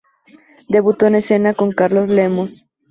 Debutó en escena con Carlos Lemos.